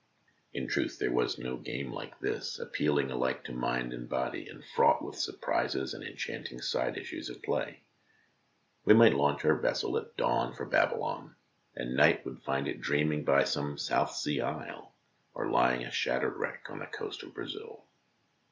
In truth, there was no game like this, appealing alike to mind and body, and fraught with surprises and enchanting side issues of play. We might launch our vessel at dawn for Babylon, and night would find it dreaming by some South Sea isle, or lying a shattered wreck on the coast of Brazil.